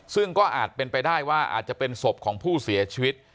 ซึ่งก็อาจเป็นไปได้ว่าอาจจะเป็นศพของผู้เสียชีวิต